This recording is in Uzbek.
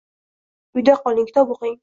Uyda qoling, kitob oʻqing!